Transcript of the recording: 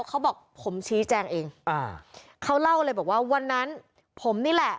เขาบอกผมชี้แจงเองอ่าเขาเล่าเลยบอกว่าวันนั้นผมนี่แหละ